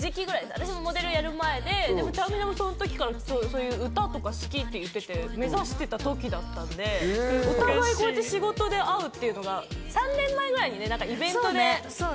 私もモデルをやる前で、ちゃんみなもその時から歌とか好きって言ってて、目指してた時だったんで、お互いこうやって仕事で会うっていうのが、３年前ぐらいにイベントでね。